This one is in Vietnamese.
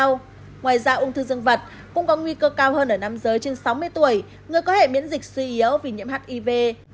ngoài ra ung thư dân vật cũng có nguy cơ cao hơn ở nam giới trên sáu mươi tuổi người có hệ miễn dịch suy yếu vì nhiễm hiv